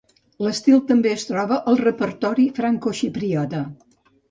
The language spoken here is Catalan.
L'estil també es troba al repertori francoxipriota.